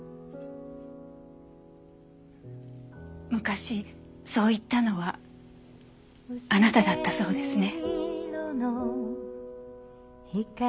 昔そう言ったのはあなただったそうですね。